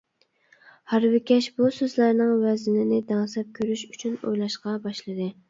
ھارۋىكەش بۇ سۆزلەرنىڭ ۋەزنىنى دەڭسەپ كۆرۈش ئۈچۈن ئويلاشقا باشلىدى.